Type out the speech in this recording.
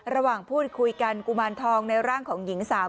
ระหว่างพูดคุยกันกุมารทองในร่างของหญิงสาว